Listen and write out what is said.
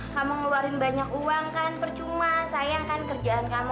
kamu ngeluarin banyak uang kan percuma sayang kan kerjaan kamu